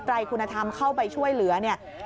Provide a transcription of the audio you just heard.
ไรคุณธรรมเข้าไปช่วยเหลือเนี่ย